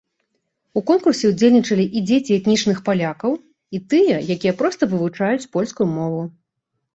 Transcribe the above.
У конкурсе ўдзельнічалі і дзеці этнічных палякаў, і тыя, якія проста вывучаюць польскую мову.